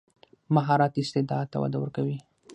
مهارت استعداد ته وده ورکوي.